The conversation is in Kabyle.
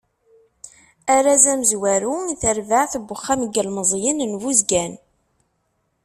Arraz amenzu i terbaɛt n uxxam n yilemẓiyen n Buzgan.